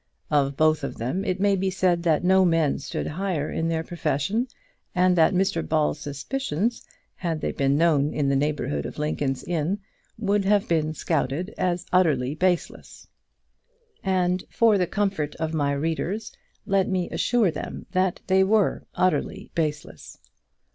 Of both of them it may be said that no men stood higher in their profession, and that Mr Ball's suspicions, had they been known in the neighbourhood of Lincoln's Inn, would have been scouted as utterly baseless. And, for the comfort of my readers, let me assure them that they were utterly baseless.